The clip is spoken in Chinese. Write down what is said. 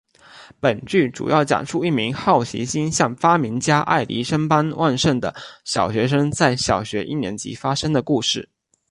本剧主要讲述一名好奇心像发明家爱迪生般旺盛的小学生在小学一年级发生的故事。